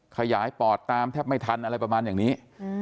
ขยายปอดตามแทบไม่ทันอะไรประมาณอย่างนี้